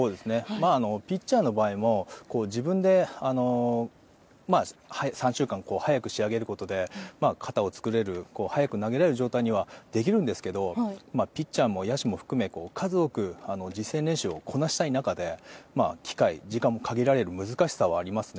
ピッチャーの場合も自分で３週間早く仕上げることで肩を作れる早く投げれる状態にはできるんですけどピッチャーも野手も含め数多く実戦練習をこなしたい中で機会、時間も限られる難しさはありますね。